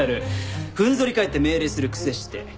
ふんぞり返って命令するくせして。